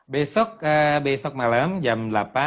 besok besok malam jam delapan